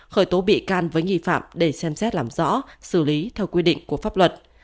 khởi tố bị can với nghi phạm để xem xét làm rõ xử lý theo quy định của pháp luật